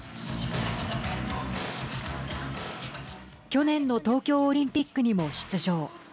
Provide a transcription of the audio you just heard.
去年の東京オリンピックにも出場。